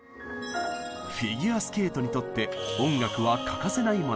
フィギュアスケートにとって音楽は欠かせないもの。